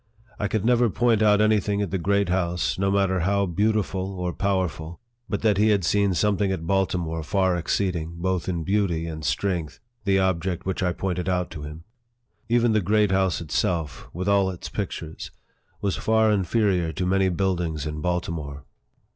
I could never point out any thing at the Great House, no matter how beautiful or powerful, but that he had seen something at Baltimore far exceeding, both in beauty and strength, the object which I pointed out to him. Even the Great House itself, with all its pictures, was far inferior to many buildings in Bal timore.